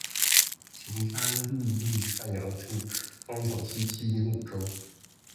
晴川历历汉阳树，芳草萋萋鹦鹉洲。